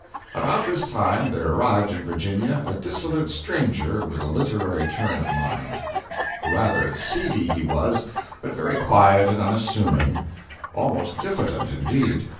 361.jpg (79K) About this time there arrived in Virginia a dissolute stranger with a literary turn of mind—rather seedy he was, but very quiet and unassuming; almost diffident, indeed.